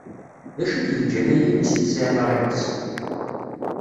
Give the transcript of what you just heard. D acu i k-yeǧǧan ay iles ur tesεiḍ ara iɣes?